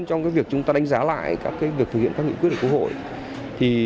trong việc chúng ta đánh giá lại các việc thực hiện các nghị quyết của quốc hội